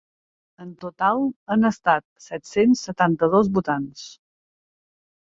En total han estat set-cents setanta-dos votants.